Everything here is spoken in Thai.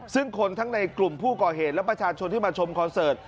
ซึ่งคนทั้งในกลุ่มผู้ก่อเหตุและประชาชนที่มาชมคอนเสิร์ต